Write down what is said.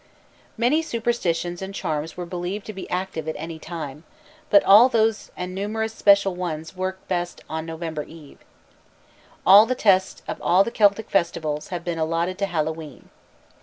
Many superstitions and charms were believed to be active at any time, but all those and numerous special ones worked best on November Eve. All the tests of all the Celtic festivals have been allotted to Hallowe'en.